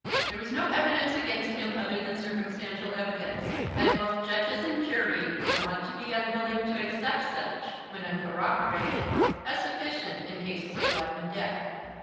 There was no evidence against him other than circumstantial evidence, and both judges and jury were wont to be unwilling to accept such, when uncorroborated, as sufficient in cases of life and death.